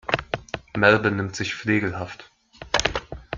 Mel benimmt sich flegelhaft.